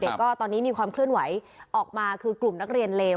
ตอนนี้มีความเคลื่อนไหวออกมาคือกลุ่มนักเรียนเลว